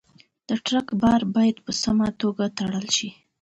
د ټرک بار باید په سمه توګه تړل شي.